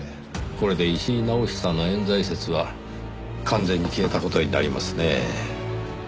これで石井直久の冤罪説は完全に消えた事になりますねぇ。